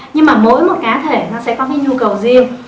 nhưng mà mỗi một cá thể nó sẽ có cái nhu cầu riêng